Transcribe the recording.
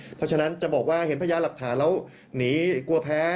เพราะฉะนั้นจะบอกว่าเห็นพยานหลักฐานแล้วหนีกลัวแพ้